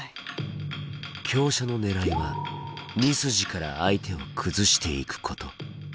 香車のねらいは２筋から相手を崩していくこと。